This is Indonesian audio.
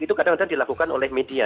itu kadang kadang dilakukan oleh media